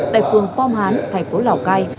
tại phương pom hán thành phố lào cai